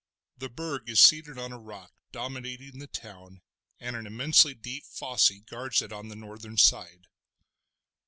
The Burg is seated on a rock dominating the town and an immensely deep fosse guards it on the northern side.